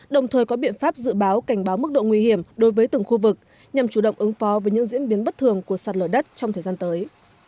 đồng thời có biện pháp dự báo cảnh báo mức độ nguy hiểm đối với từng khu vực nhằm chủ động ứng phó với những diễn biến bất thường của sạt lở đất trong thời gian tới